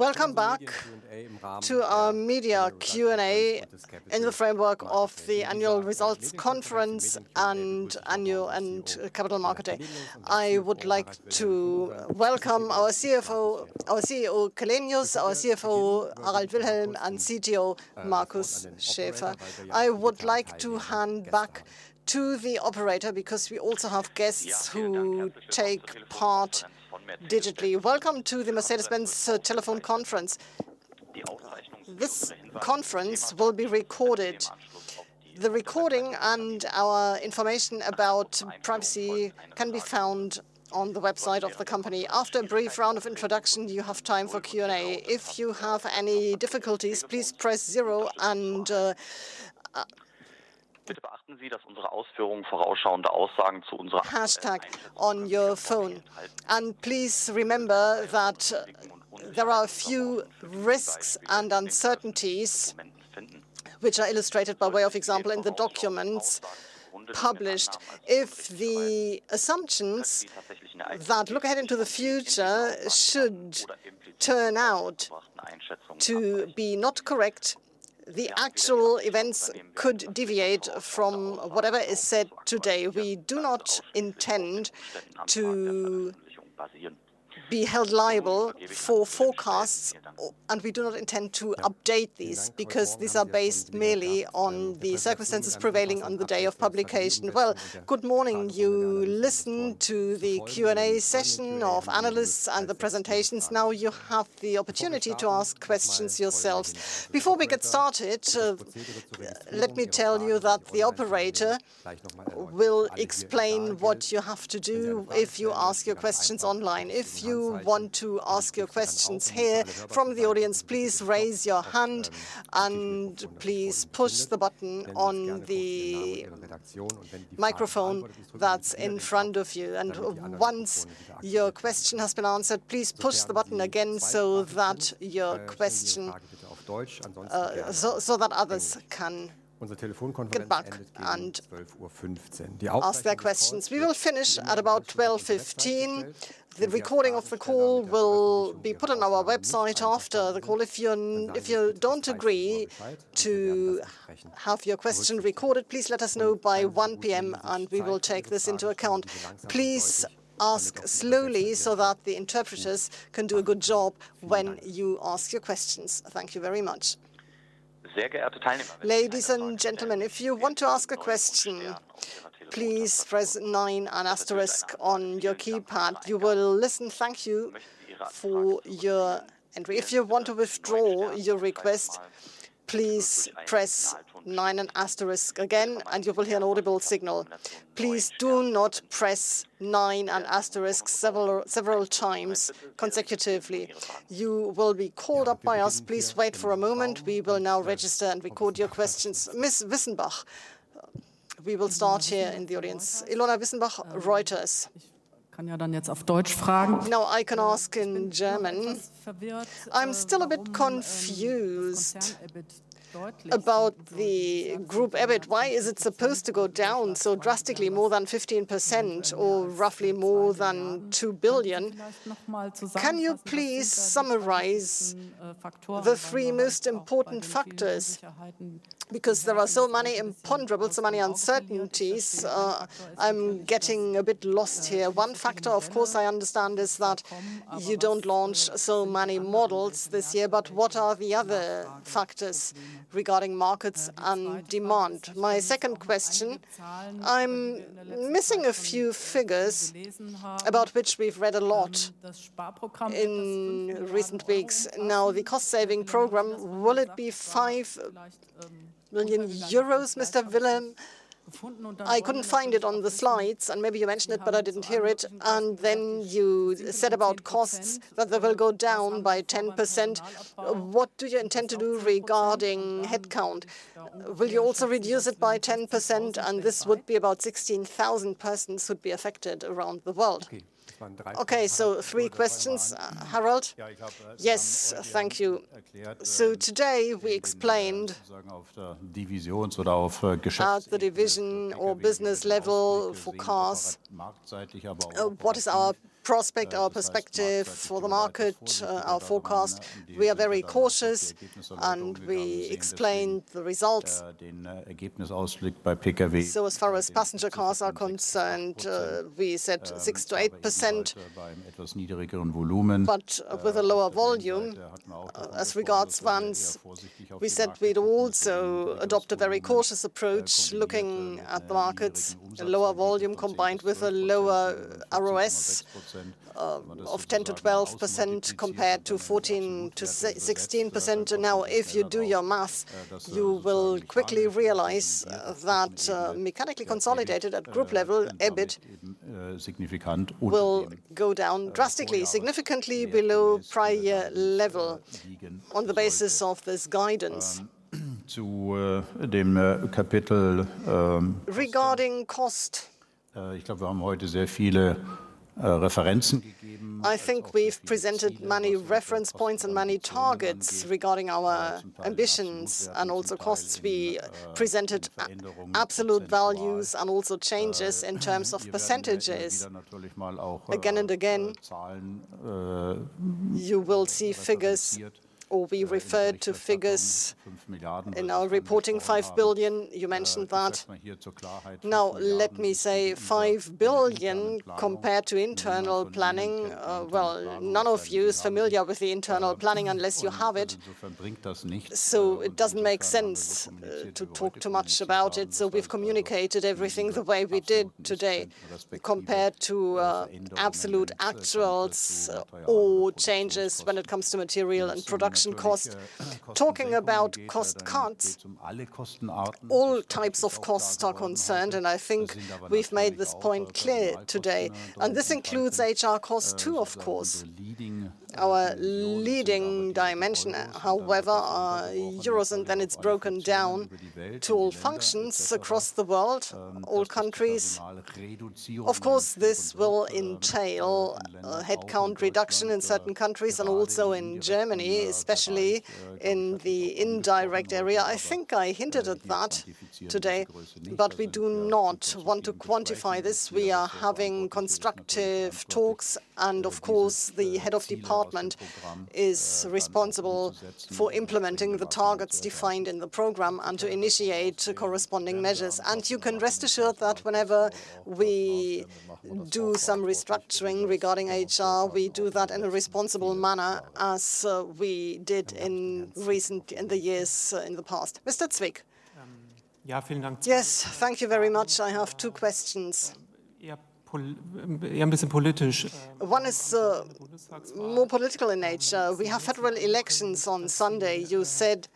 Welcome back to our media Q&A in the framework of the annual results conference and annual capital markets. I would like to welcome our CFO, our CEO Källenius, our CFO Harald Wilhelm, and CTO Markus Schäfer. I would like to hand back to the operator because we also have guests who take part digitally. Welcome to the Mercedes-Benz telephone conference. This conference will be recorded. The recording and our information about privacy can be found on the website of the company. After a brief round of introductions, you have time for Q&A. If you have any difficulties, please press zero and... Hashtag on your phone. Please remember that there are a few risks and uncertainties which are illustrated by way of example in the documents published. If the assumptions that look ahead into the future should turn out to be not correct, the actual events could deviate from whatever is said today. We do not intend to be held liable for forecasts, and we do not intend to update these because these are based merely on the circumstances prevailing on the day of publication. Well, good morning. You listen to the Q&A session of analysts and the presentations. Now you have the opportunity to ask questions yourselves. Before we get started, let me tell you that the operator will explain what you have to do if you ask your questions online. If you want to ask your questions here from the audience, please raise your hand and please push the button on the microphone that's in front of you. And once your question has been answered, please push the button again so that your question... so that others can get back and ask their questions. We will finish at about 12:15 P.M. The recording of the call will be put on our website after the call. If you don't agree to have your question recorded, please let us know by 1:00 P.M., and we will take this into account. Please ask slowly so that the interpreters can do a good job when you ask your questions. Thank you very much. Ladies and gentlemen, if you want to ask a question, please press nine and asterisk on your keypad. You will listen. Thank you for your entry. If you want to withdraw your request, please press nine and asterisk again, and you will hear an audible signal. Please do not press nine and asterisk several times consecutively. You will be called up by us. Please wait for a moment. We will now register and record your questions. Ms. Wissenbach, we will start here in the audience. Ilona Wissenbach, Reuters. No, I can ask in German. I'm still a bit confused about the group. Why is it supposed to go down so drastically, more than 15% or roughly more than 2 billion EUR? Can you please summarize the three most important factors? Because there are so many imponderables, so many uncertainties, I'm getting a bit lost here. One factor, of course, I understand is that you don't launch so many models this year, but what are the other factors regarding markets and demand? My second question, I'm missing a few figures about which we've read a lot in recent weeks. Now, the cost-saving program, will it be 5 million euros, Mr. Wilkes? I couldn't find it on the slides, and maybe you mentioned it, but I didn't hear it. And then you said about costs that they will go down by 10%. What do you intend to do regarding headcount? Will you also reduce it by 10%, and this would be about 16,000 persons who would be affected around the world. Okay, so three questions. Harald? Yes, thank you. So today we explained at the division or business level for cars. What is our prospect, our perspective for the market, our forecast? We are very cautious, and we explained the results. So as far as passenger cars are concerned, we said 6%-8%, but with a lower volume. As regards vans, we said we'd also adopt a very cautious approach, looking at the markets, a lower volume combined with a lower ROS of 10%-12% compared to 14%-16%. Now, if you do your math, you will quickly realize that mechanically consolidated at group level, EBIT will go down drastically, significantly below prior level on the basis of this guidance. Regarding cost, I think we've presented many reference points and many targets regarding our ambitions and also costs. We presented absolute values and also changes in terms of percentages. Again and again, you will see figures, or we referred to figures in our reporting, 5 billion, you mentioned that. Now, let me say 5 billion compared to internal planning. Well, none of you is familiar with the internal planning unless you have it, so it doesn't make sense to talk too much about it. So we've communicated everything the way we did today compared to absolute actuals or changes when it comes to material and production cost. Talking about cost cuts, all types of costs are concerned, and I think we've made this point clear today, and this includes HR cost too, of course, our leading dimension. However, euros, and then it's broken down to all functions across the world, all countries. Of course, this will entail headcount reduction in certain countries and also in Germany, especially in the indirect area. I think I hinted at that today, but we do not want to quantify this. We are having constructive talks, and of course, the head of department is responsible for implementing the targets defined in the program and to initiate corresponding measures. And you can rest assured that whenever we do some restructuring regarding HR, we do that in a responsible manner as we did in recent years in the past. Mr. Zwick. Yes, thank you very much. I have two questions. One is more political in nature. We have federal elections on Sunday. You said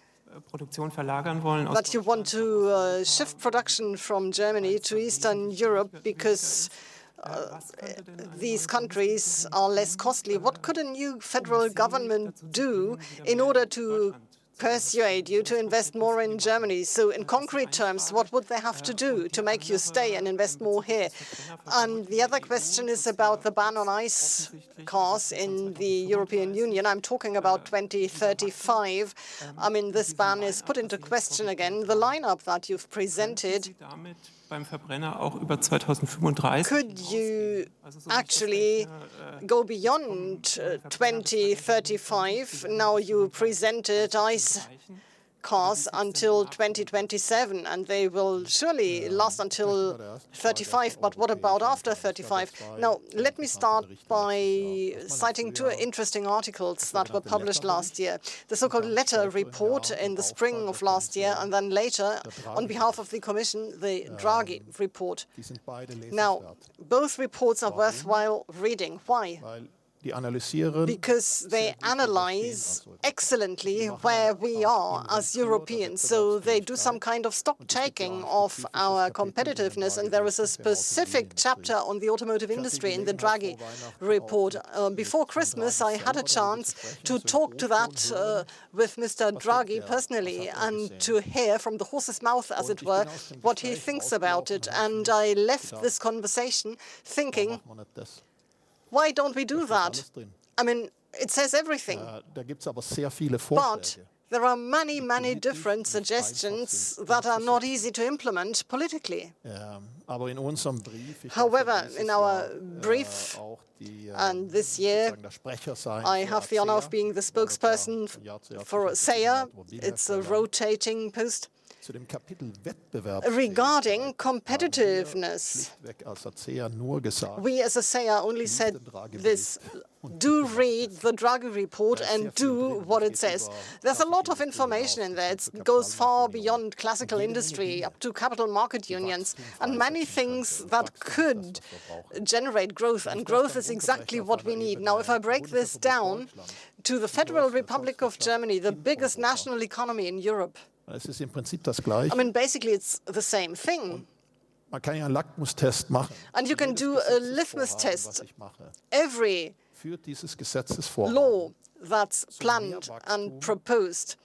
that you want to shift production from Germany to Eastern Europe because these countries are less costly. What could a new federal government do in order to persuade you to invest more in Germany? So in concrete terms, what would they have to do to make you stay and invest more here? And the other question is about the ban on ICE cars in the European Union. I'm talking about 2035. I mean, this ban is put into question again. The lineup that you've presented could you actually go beyond 2035? Now you presented ICE cars until 2027, and they will surely last until 35, but what about after 35? Now, let me start by citing two interesting articles that were published last year, the so-called Letta report in the spring of last year and then later on behalf of the Commission, the Draghi report. Now, both reports are worthwhile reading. Why? Because they analyze excellently where we are as Europeans. So they do some kind of stock-taking of our competitiveness, and there is a specific chapter on the automotive industry in the Draghi report. Before Christmas, I had a chance to talk to that with Mr. Draghi personally and to hear from the horse's mouth, as it were, what he thinks about it. And I left this conversation thinking, why don't we do that? I mean, it says everything. But there are many, many different suggestions that are not easy to implement politically. However, in our brief and this year, I have the honor of being the spokesperson for ACEA. It's a rotating post regarding competitiveness. We as a ACEA only said this. Do read the Draghi report and do what it says. There's a lot of information in there. It goes far beyond classical industry up to capital market unions and many things that could generate growth, and growth is exactly what we need. Now, if I break this down to the Federal Republic of Germany, the biggest national economy in Europe, I mean, basically it's the same thing, and you can do a litmus test every law that's planned and proposed.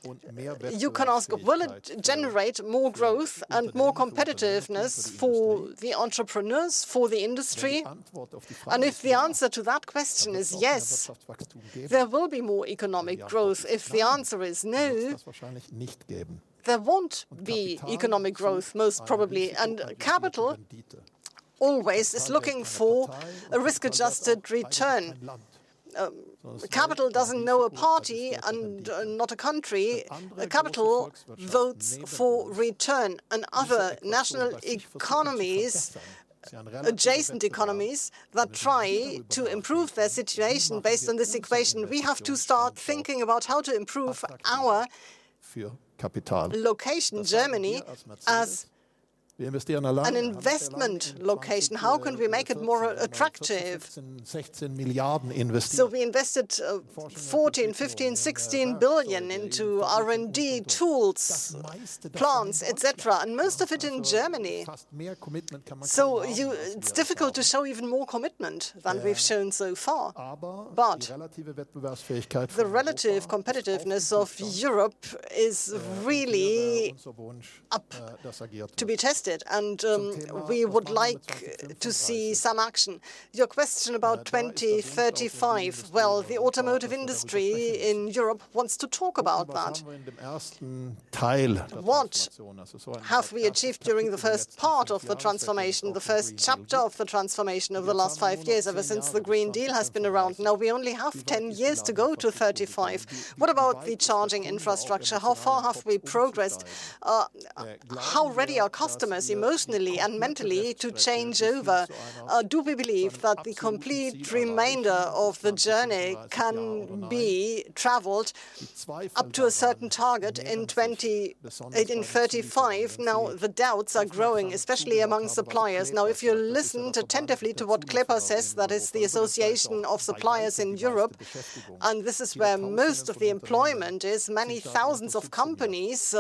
You can ask, will it generate more growth and more competitiveness for the entrepreneurs, for the industry? And if the answer to that question is yes, there will be more economic growth. If the answer is no, there won't be economic growth, most probably, and capital always is looking for a risk-adjusted return. Capital doesn't know a party and not a country. Capital votes for return and other national economies, adjacent economies that try to improve their situation based on this equation. We have to start thinking about how to improve our location, Germany, as an investment location. How can we make it more attractive? We invested 14-16 billion into R&D tools, plants, etc., and most of it in Germany. It's difficult to show even more commitment than we've shown so far. But the relative competitiveness of Europe is really up to be tested, and we would like to see some action. Your question about 2035, well, the automotive industry in Europe wants to talk about that. What have we achieved during the first part of the transformation, the first chapter of the transformation of the last five years ever since the Green Deal has been around? Now we only have 10 years to go to 35. What about the charging infrastructure? How far have we progressed? How ready are customers emotionally and mentally to change over? Do we believe that the complete remainder of the journey can be traveled up to a certain target in 2035? Now the doubts are growing, especially among suppliers. Now, if you listen attentively to what CLEPA says, that is the association of suppliers in Europe, and this is where most of the employment is, many thousands of companies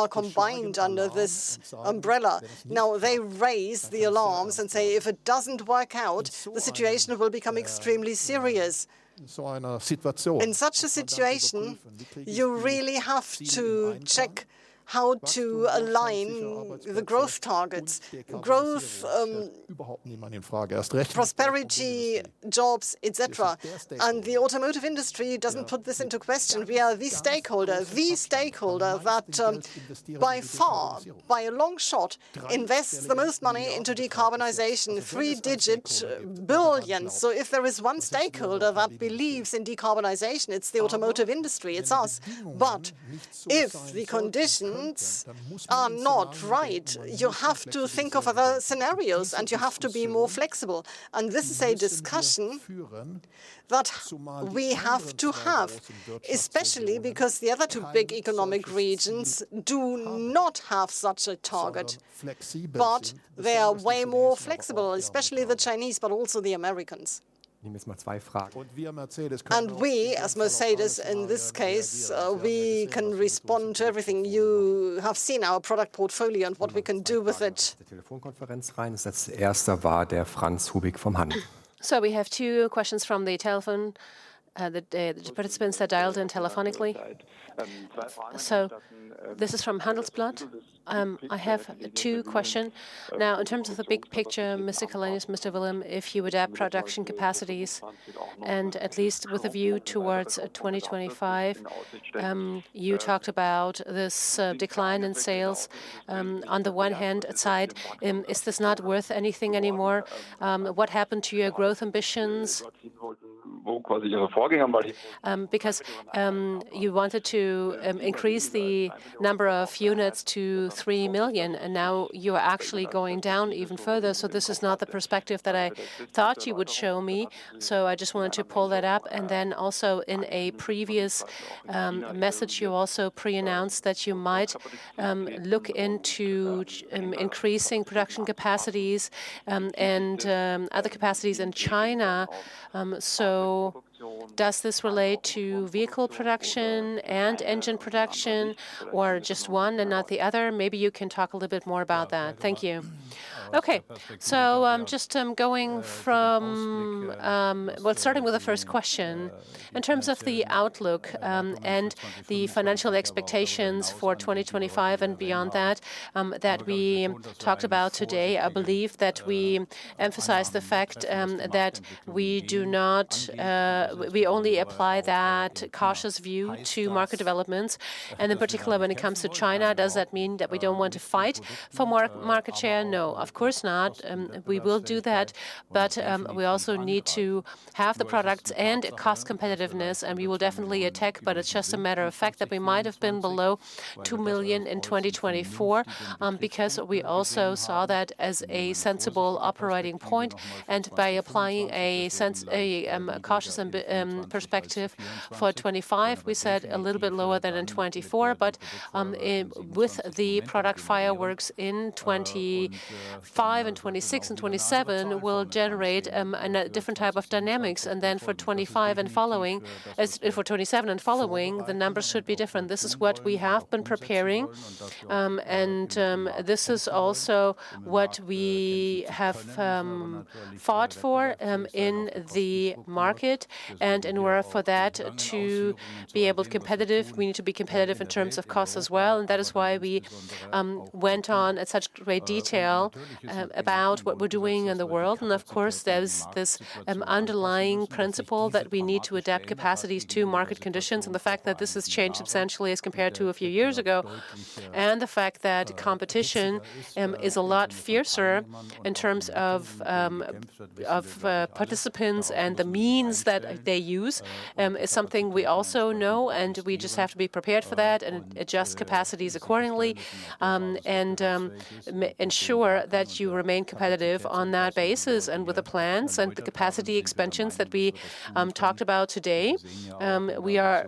are combined under this umbrella. Now they raise the alarms and say if it doesn't work out, the situation will become extremely serious. In such a situation, you really have to check how to align the growth targets, growth, prosperity, jobs, etc., and the automotive industry doesn't put this into question. We are the stakeholder, the stakeholder that by far, by a long shot, invests the most money into decarbonization, three-digit billions, so if there is one stakeholder that believes in decarbonization, it's the automotive industry, it's us. But if the conditions are not right, you have to think of other scenarios, and you have to be more flexible. And this is a discussion that we have to have, especially because the other two big economic regions do not have such a target, but they are way more flexible, especially the Chinese, but also the Americans. And we, as Mercedes in this case, we can respond to everything you have seen, our product portfolio and what we can do with it. So we have two questions from the telephone participants that dialed in telephonically. So this is from Handelsblatt. I have two questions. Now, in terms of the big picture, Mr. Källenius, Mr. Wilhelm, if you would add production capacities and at least with a view towards 2025, you talked about this decline in sales. On the one hand, aside, is this not worth anything anymore? What happened to your growth ambitions? Because you wanted to increase the number of units to 3 million, and now you are actually going down even further. So this is not the perspective that I thought you would show me. So I just wanted to pull that up. And then also in a previous message, you also pre-announced that you might look into increasing production capacities and other capacities in China. So does this relate to vehicle production and engine production or just one and not the other? Maybe you can talk a little bit more about that. Thank you. Okay, so just going from, well, starting with the first question, in terms of the outlook and the financial expectations for 2025 and beyond that we talked about today, I believe that we emphasize the fact that we do not, we only apply that cautious view to market developments. In particular, when it comes to China, does that mean that we don't want to fight for market share? No, of course not. We will do that, but we also need to have the products and cost competitiveness, and we will definitely attack, but it's just a matter of fact that we might have been below 2 million in 2024 because we also saw that as a sensible operating point. By applying a cautious perspective for 2025, we said a little bit lower than in 2024, but with the product fireworks in 2025 and 2026 and 2027, we'll generate a different type of dynamics. Then for 2025 and following, for 2027 and following, the numbers should be different. This is what we have been preparing, and this is also what we have fought for in the market. And in order for that to be able to be competitive, we need to be competitive in terms of cost as well. And that is why we went on at such great detail about what we're doing in the world. And of course, there's this underlying principle that we need to adapt capacities to market conditions and the fact that this has changed substantially as compared to a few years ago. And the fact that competition is a lot fiercer in terms of participants and the means that they use is something we also know, and we just have to be prepared for that and adjust capacities accordingly and ensure that you remain competitive on that basis and with the plans and the capacity expansions that we talked about today. We are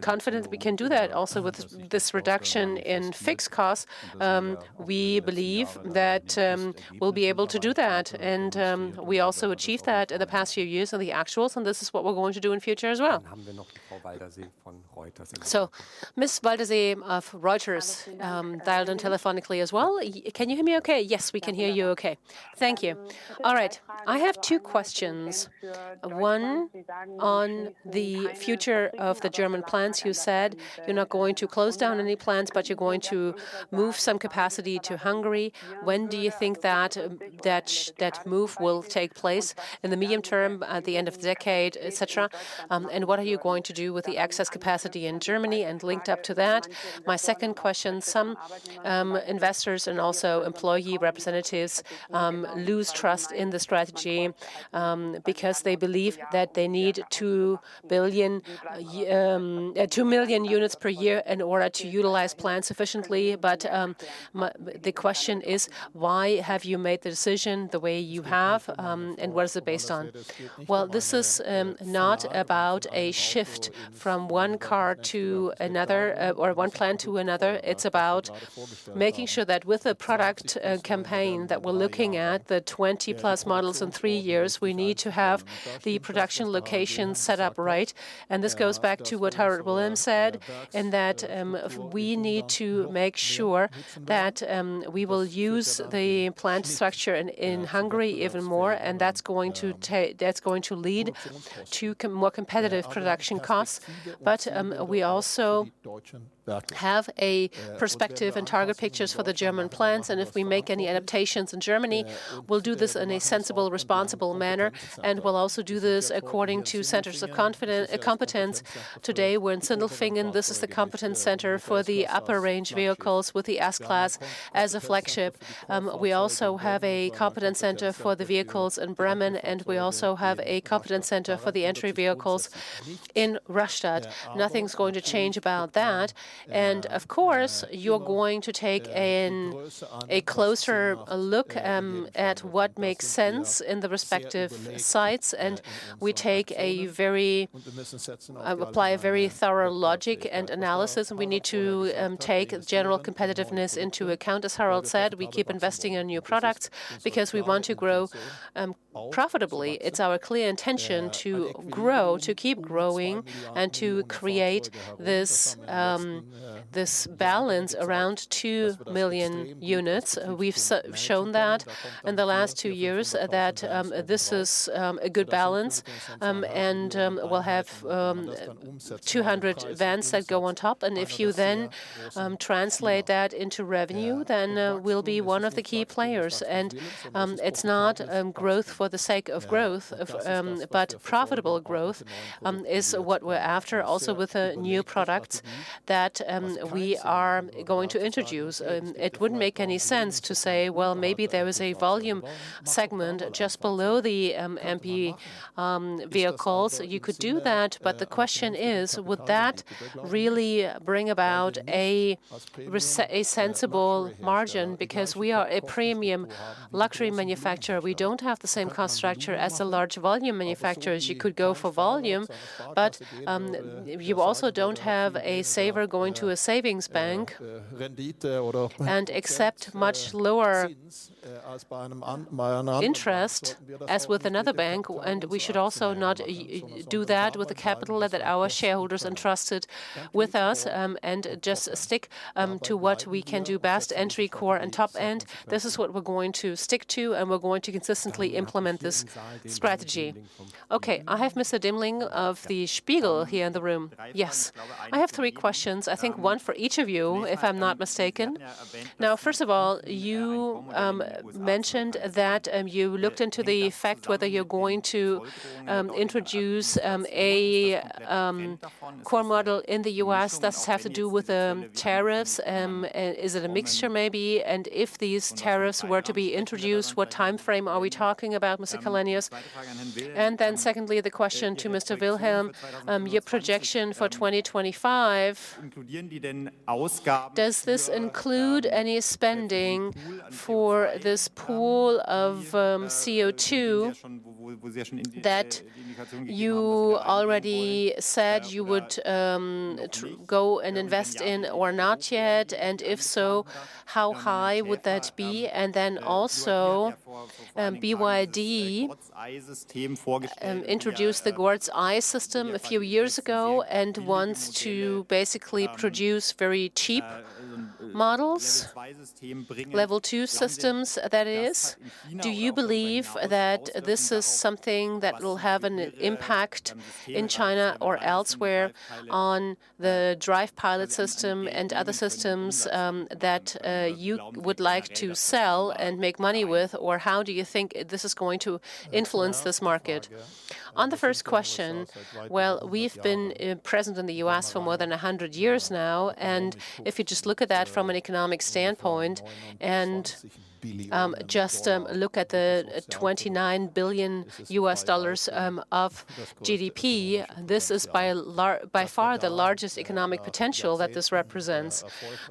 confident that we can do that also with this reduction in fixed costs. We believe that we'll be able to do that, and we also achieved that in the past few years on the actuals, and this is what we're going to do in future as well. So Ms. Waldersee of Reuters dialed in telephonically as well. Can you hear me okay? Yes, we can hear you okay. Thank you. All right, I have two questions. One on the future of the German plants. You said you're not going to close down any plants, but you're going to move some capacity to Hungary. When do you think that that move will take place? In the medium term, at the end of the decade, etc.? And what are you going to do with the excess capacity in Germany? Linked up to that, my second question, some investors and also employee representatives lose trust in the strategy because they believe that they need two million units per year in order to utilize plants sufficiently. But the question is, why have you made the decision the way you have, and what is it based on? This is not about a shift from one car to another or one plant to another. It's about making sure that with the product campaign that we're looking at, the 20 plus models in three years, we need to have the production location set up right. And this goes back to what Harald Wilhelm said, in that we need to make sure that we will use the plant structure in Hungary even more, and that's going to lead to more competitive production costs. But we also have a perspective and target pictures for the German plants, and if we make any adaptations in Germany, we'll do this in a sensible, responsible manner, and we'll also do this according to centers of competence. Today, we're in Sindelfingen. This is the competence center for the upper range vehicles with the S-Class as a flagship. We also have a competence center for the vehicles in Bremen, and we also have a competence center for the entry vehicles in Rastatt. Nothing's going to change about that. And of course, you're going to take a closer look at what makes sense in the respective sites, and we apply a very thorough logic and analysis, and we need to take general competitiveness into account. As Harald said, we keep investing in new products because we want to grow profitably. It's our clear intention to grow, to keep growing, and to create this balance around 2 million units. We've shown that in the last two years that this is a good balance, and we'll have 200 vans that go on top, and if you then translate that into revenue, then we'll be one of the key players, it's not growth for the sake of growth, but profitable growth is what we're after, also with a new product that we are going to introduce. It wouldn't make any sense to say, well, maybe there is a volume segment just below the MP vehicles. You could do that, but the question is, would that really bring about a sensible margin? Because we are a premium luxury manufacturer. We don't have the same cost structure as a large volume manufacturer. You could go for volume, but you also don't have a saver going to a savings bank and accept much lower interest as with another bank. We should also not do that with the capital that our shareholders entrusted with us and just stick to what we can do best, entry, core, and top end. This is what we're going to stick to, and we're going to consistently implement this strategy. Okay, I have Mr. Demling of Der Spiegel here in the room. Yes, I have three questions. I think one for each of you, if I'm not mistaken. Now, first of all, you mentioned that you looked into the fact whether you're going to introduce a core model in the US. Does it have to do with the tariffs? Is it a mixture maybe? If these tariffs were to be introduced, what timeframe are we talking about, Mr. Källenius? And then secondly, the question to Mr. Wilhelm, your projection for 2025, does this include any spending for this pool of CO2 that you already said you would go and invest in or not yet? And if so, how high would that be? And then also, BYD introduced the God's Eye system a few years ago and wants to basically produce very cheap models, level two systems, that is. Do you believe that this is something that will have an impact in China or elsewhere on DRIVE PILOT system and other systems that you would like to sell and make money with? Or how do you think this is going to influence this market? On the first question, well, we've been present in the U.S. for more than 100 years now, and if you just look at that from an economic standpoint and just look at the $29 billion of GDP, this is by far the largest economic potential that this represents.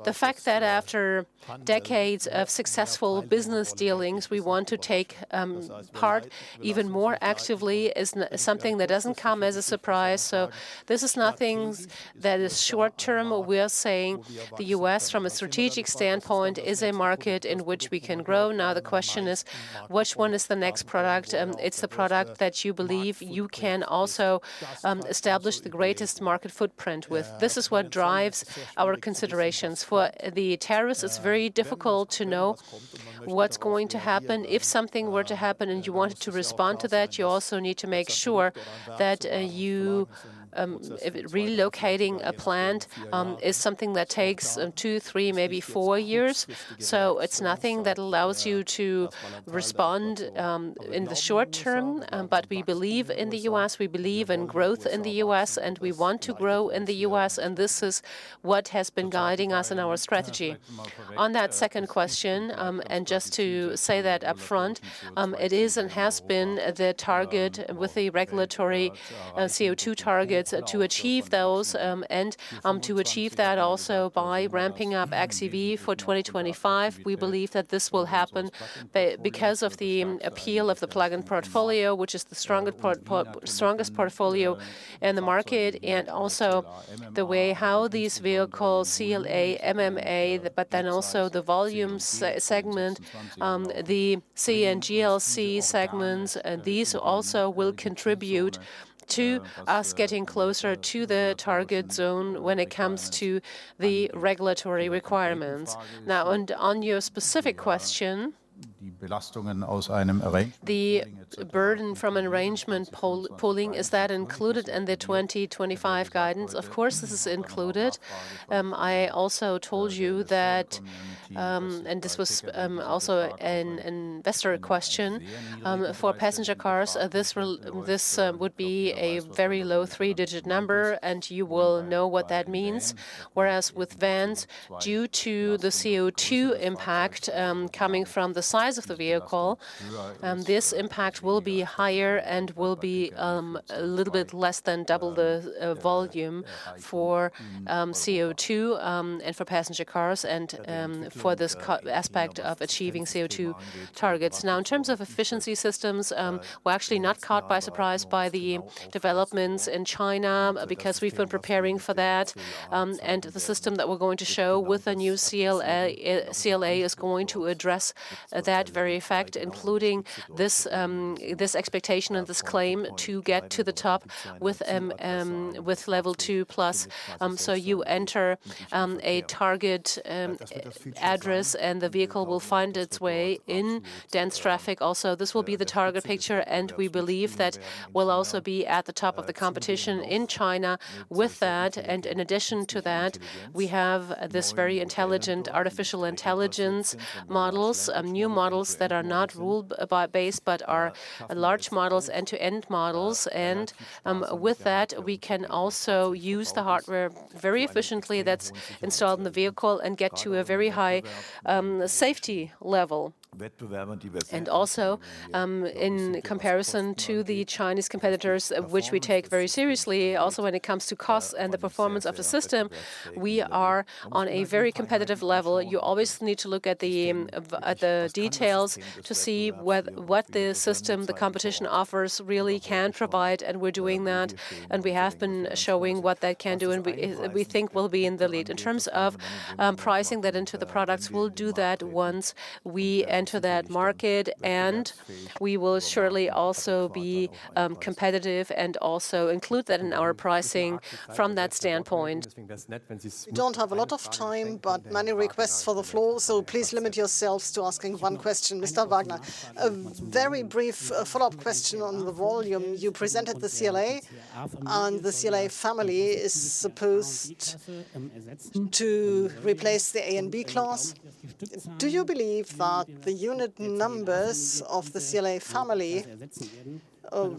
The fact that after decades of successful business dealings, we want to take part even more actively is something that doesn't come as a surprise, so this is nothing that is short term. We are saying the U.S., from a strategic standpoint, is a market in which we can grow. Now, the question is, which one is the next product? It's the product that you believe you can also establish the greatest market footprint with. This is what drives our considerations. For the tariffs, it's very difficult to know what's going to happen. If something were to happen and you wanted to respond to that, you also need to make sure that relocating a plant is something that takes two, three, maybe four years, so it's nothing that allows you to respond in the short term, but we believe in the U.S. We believe in growth in the U.S., and we want to grow in the U.S., and this is what has been guiding us in our strategy. On that second question, and just to say that upfront, it is and has been the target with the regulatory CO2 targets to achieve those, and to achieve that also by ramping up XEV for 2025. We believe that this will happen because of the appeal of the plug-in portfolio, which is the strongest portfolio in the market, and also the way how these vehicles, CLA, MMA, but then also the volume segment, the C and GLC segments, these also will contribute to us getting closer to the target zone when it comes to the regulatory requirements. Now, on your specific question, the burden from an arrangement pooling, is that included in the 2025 guidance? Of course, this is included. I also told you that, and this was also an investor question, for passenger cars, this would be a very low three-digit number, and you will know what that means. Whereas with vans, due to the CO2 impact coming from the size of the vehicle, this impact will be higher and will be a little bit less than double the volume for CO2 and for passenger cars and for this aspect of achieving CO2 targets. Now, in terms of efficiency systems, we're actually not caught by surprise by the developments in China because we've been preparing for that, and the system that we're going to show with the new CLA is going to address that very effect, including this expectation and this claim to get to the top with level two plus. So you enter a target address, and the vehicle will find its way in dense traffic. Also, this will be the target picture, and we believe that we'll also be at the top of the competition in China with that. And in addition to that, we have this very intelligent artificial intelligence models, new models that are not rule-based, but are large models, end-to-end models. And with that, we can also use the hardware very efficiently that's installed in the vehicle and get to a very high safety level. And also, in comparison to the Chinese competitors, which we take very seriously, also when it comes to costs and the performance of the system, we are on a very competitive level. You always need to look at the details to see what the system, the competition offers, really can provide, and we're doing that, and we have been showing what that can do, and we think we'll be in the lead. In terms of pricing that into the products, we'll do that once we enter that market, and we will surely also be competitive and also include that in our pricing from that standpoint. Don't have a lot of time, but many requests for the floor, so please limit yourselves to asking one question, Mr. Wagner. A very brief follow-up question on the volume. You presented the CLA, and the CLA family is supposed to replace the A-Class and B-Class. Do you believe that the unit numbers of the CLA family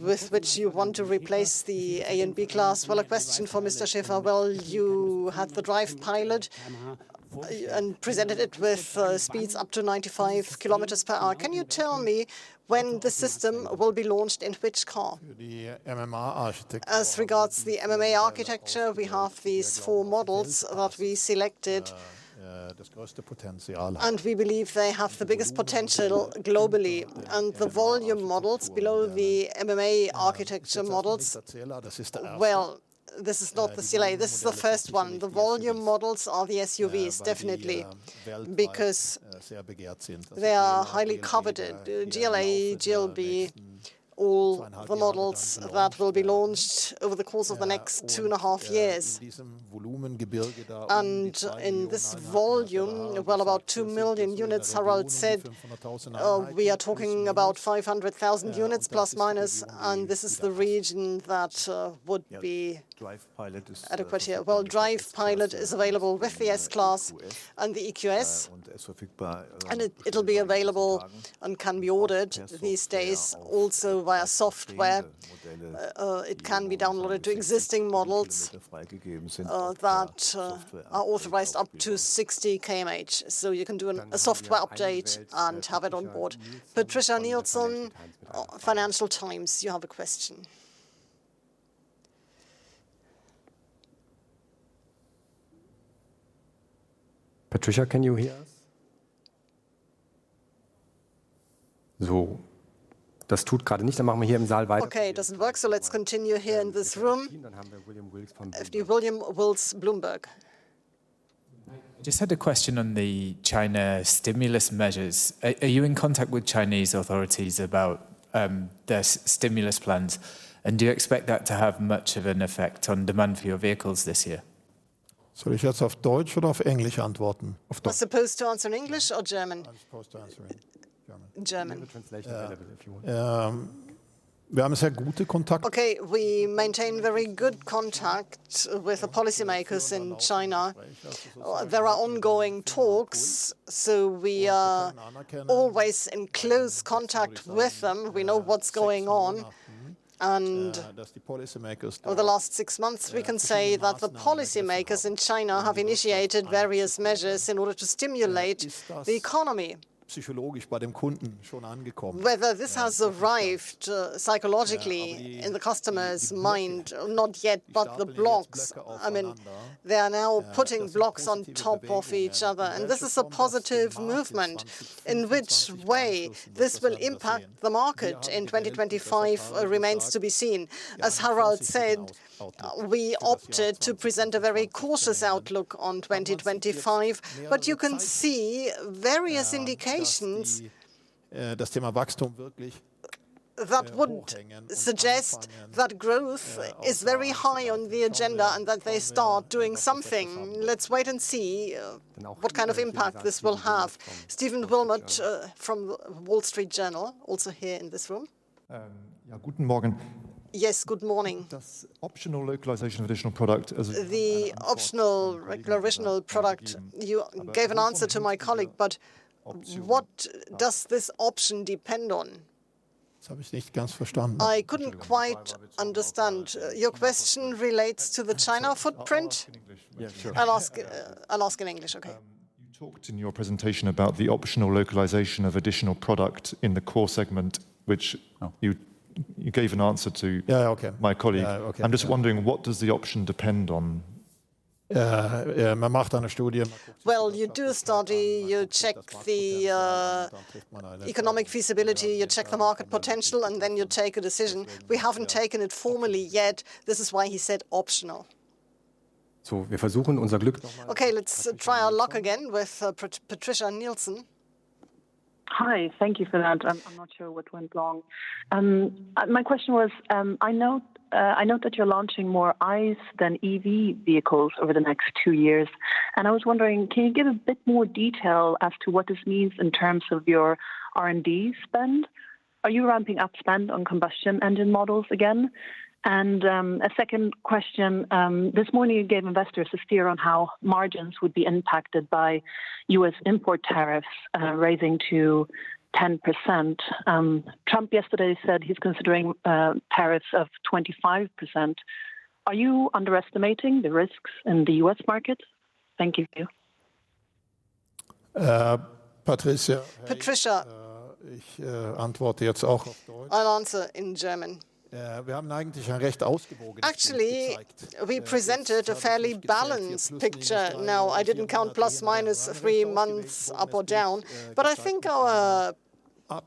with which you want to replace the A-Class and B-Class? Well, a question for Mr. Schäfer. Well, you had DRIVE PILOT and presented it with speeds up to 95 km/h. Can you tell me when the system will be launched in which car? As regards the MMA architecture, we have these four models that we selected, and we believe they have the biggest potential globally and the volume models below the MMA architecture models, well, this is not the CLA, this is the first one. The volume models are the SUVs, definitely, because they are highly coveted. GLA, GLB, all the models that will be launched over the course of the next two and a half years, and in this volume, well, about 2 million units, Harald said, we are talking about 500,000 units plus minus, and this is the region that would be adequate here, DRIVE PILOT is available with the S-Class and the EQS, and it'll be available and can be ordered these days also via software. It can be downloaded to existing models that are authorized up to 60 km/h, so you can do a software update and have it on board. Patricia Nilsson, Financial Times, you have a question. Patricia, can you hear us? Okay, it doesn't work, so let's continue here in this room. William Wilkes, Bloomberg. I just had a question on the China stimulus measures. Are you in contact with Chinese authorities about the stimulus plans, and do you expect that to have much of an effect on demand for your vehicles this year? You're supposed to answer in English or German? German. German. Okay, we maintain very good contact with the policymakers in China. There are ongoing talks, so we are always in close contact with them. We know what's going on, and over the last six months, we can say that the policymakers in China have initiated various measures in order to stimulate the economy. Whether this has arrived psychologically in the customer's mind, not yet, but the blocks, I mean, they are now putting blocks on top of each other, and this is a positive movement. In which way this will impact the market in 2025 remains to be seen. As Harald said, we opted to present a very cautious outlook on 2025, but you can see various indications that would suggest that growth is very high on the agenda and that they start doing something. Let's wait and see what kind of impact this will have. Stephen Wilmot from the Wall Street Journal, also here in this room. Yes, good morning. The optional regulational product, you gave an answer to my colleague, but what does this option depend on? I couldn't quite understand. Your question relates to the China footprint? I'll ask in English, okay? You talked in your presentation about the optional localization of additional product in the core segment, which you gave an answer to, my colleague. I'm just wondering, what does the option depend on? Well, you do study, you check the economic feasibility, you check the market potential, and then you take a decision. We haven't taken it formally yet. This is why he said optional. Okay, let's try our luck again with Patricia Nilsson. Hi, thank you for that. I'm not sure what went wrong. My question was, I know that you're launching more ICE than EV vehicles over the next two years, and I was wondering, can you give a bit more detail as to what this means in terms of your R&D spend? Are you ramping up spend on combustion engine models again? And a second question, this morning you gave investors a steer on how margins would be impacted by U.S. import tariffs raising to 10%. Trump yesterday said he's considering tariffs of 25%. Are you underestimating the risks in the U.S. market? Thank you. Patricia. Patricia. I'll answer in German. Wir haben eigentlich ein recht ausgewogenes Bild gezeigt. Actually, we presented a fairly balanced picture. Now, I didn't count plus minus three months up or down, but I think our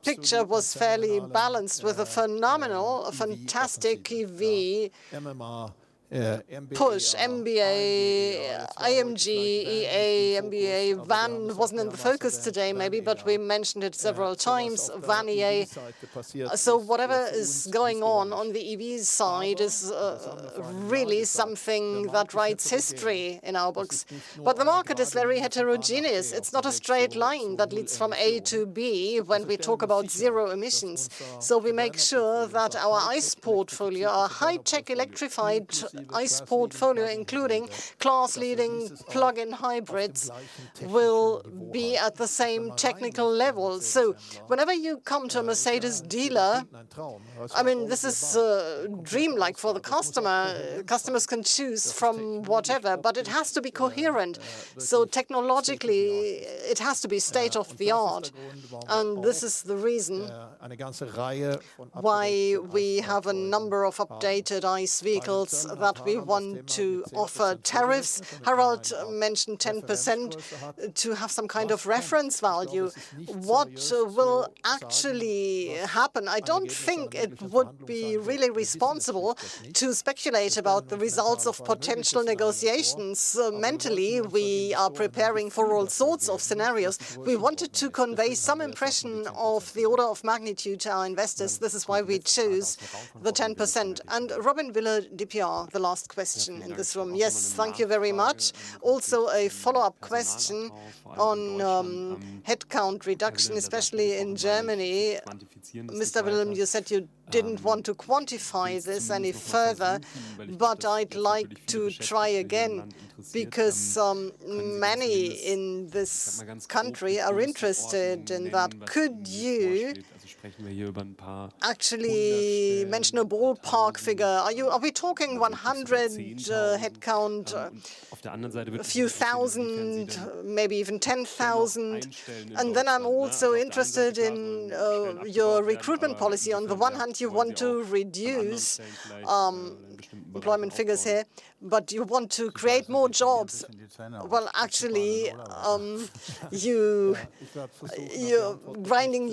picture was fairly balanced with a phenomenal, fantastic EV push. MB.EA, AMG.EA, MB.OS, VAN.EA wasn't in the focus today, maybe, but we mentioned it several times. VAN.EA. So whatever is going on on the EV side is really something that writes history in our books. But the market is very heterogeneous. It's not a straight line that leads from A to B when we talk about zero emissions. So we make sure that our ICE portfolio, our high-tech electrified ICE portfolio, including class-leading plug-in hybrids, will be at the same technical level. So whenever you come to a Mercedes dealer, I mean, this is dreamlike for the customer. Customers can choose from whatever, but it has to be coherent. So technologically, it has to be state-of-the-art. And this is the reason why we have a number of updated ICE vehicles that we want to offer tariffs. Harald mentioned 10% to have some kind of reference value. What will actually happen? I don't think it would be really responsible to speculate about the results of potential negotiations. Mentally, we are preparing for all sorts of scenarios. We wanted to convey some impression of the order of magnitude to our investors. This is why we choose the 10%. Robin Wille, DPA, the last question in this room. Yes, thank you very much. Also, a follow-up question on headcount reduction, especially in Germany. Mr. Wilhelm, you said you didn't want to quantify this any further, but I'd like to try again because many in this country are interested in that. Could you actually mention a ballpark figure? Are we talking 100 headcount, a few thousand, maybe even 10,000? And then I'm also interested in your recruitment policy. On the one hand, you want to reduce employment figures here, but you want to create more jobs. Well, actually, you're writing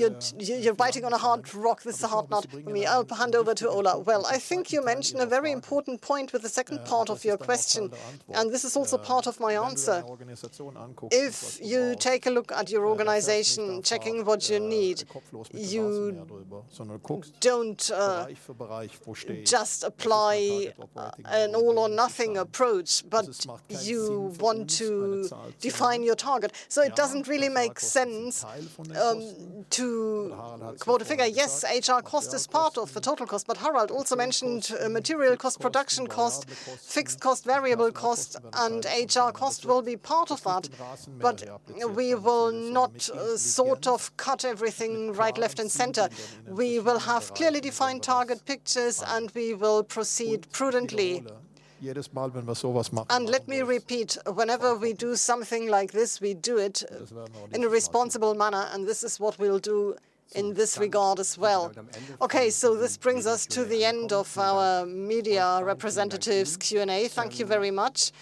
on a hard rock with a hard knot. Let me hand over to Ola. Well, I think you mentioned a very important point with the second part of your question, and this is also part of my answer. If you take a look at your organization, checking what you need, you don't just apply an all-or-nothing approach, but you want to define your target. So it doesn't really make sense to quote a figure. Yes, HR cost is part of the total cost, but Harald also mentioned material cost, production cost, fixed cost, variable cost, and HR cost will be part of that, but we will not sort of cut everything right, left, and center. We will have clearly defined target pictures, and we will proceed prudently. Let me repeat, whenever we do something like this, we do it in a responsible manner, and this is what we'll do in this regard as well. Okay, so this brings us to the end of our media representatives' Q&A. Thank you very much.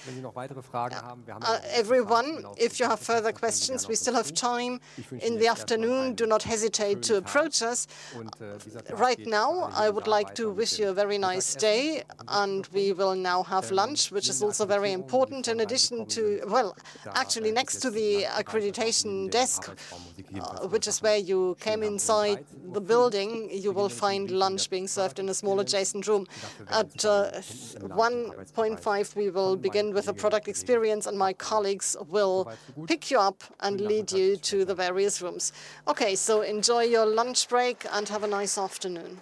Everyone, if you have further questions, we still have time in the afternoon. Do not hesitate to approach us. Right now, I would like to wish you a very nice day, and we will now have lunch, which is also very important in addition to, well, actually next to the accreditation desk, which is where you came inside the building, you will find lunch being served in a small adjacent room. At 1:05 P.M., we will begin with a product experience, and my colleagues will pick you up and lead you to the various rooms. Okay, so enjoy your lunch break and have a nice afternoon.